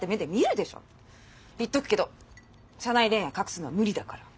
言っとくけど社内恋愛隠すのは無理だから。